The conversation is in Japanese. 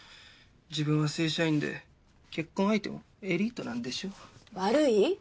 自分は正社員で結婚相手もエリートなんでしょ？悪い？